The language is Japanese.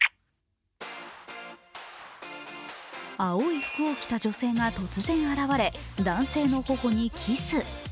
青い服を着た女性が突然現れ、男性の頬にキス。